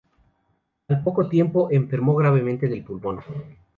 Al poco tiempo, enfermó gravemente del pulmón.